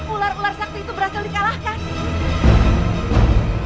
ular ular sakti itu berhasil dikalahkan